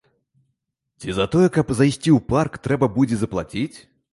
Ці за тое, каб зайсці ў парк, трэба будзе заплаціць?